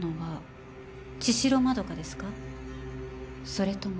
それとも。